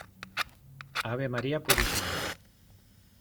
¡ ave María Purísima!